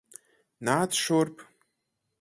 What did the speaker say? Nāc šurp.